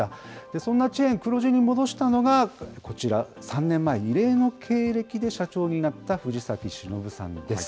そんなチェーン、黒字に戻したのが、こちら、３年前、異例の経歴で社長になった藤崎忍さんです。